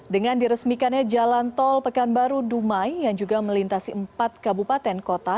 dengan diresmikannya jalan tol pekanbaru dumai yang juga melintasi empat kabupaten kota